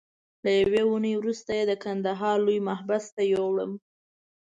له یوې اونۍ وروسته یې د کندهار لوی محبس ته یووړم.